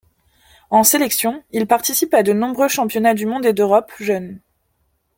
En sélection, il participe à de nombreux Championnats du Monde et d’Europe jeunes.